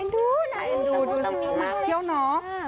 ดูดูดูสิมาเที่ยวน้อง